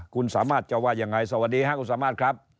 คุณสามารถจะว่ายังไงสวัสดีค่ะคุณสามารถครับ